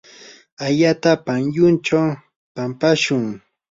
ayata pantyunchaw pampashun.